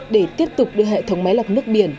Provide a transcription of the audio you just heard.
để tiếp tục đưa hệ thống máy lọc nước biển